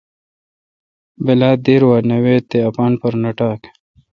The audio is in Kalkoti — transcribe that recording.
بلا دیر وا نہ ویت تے اپان پر نہ نہ ٹاک